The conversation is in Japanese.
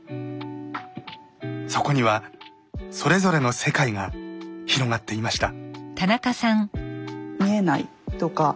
そこにはそれぞれの世界が広がっていました。